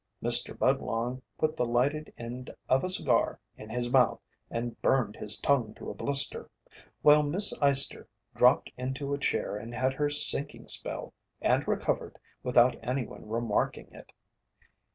Mr. Budlong put the lighted end of a cigar in his mouth and burned his tongue to a blister, while Miss Eyester dropped into a chair and had her sinking spell and recovered without any one remarking it.